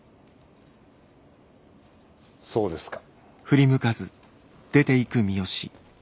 そうですか。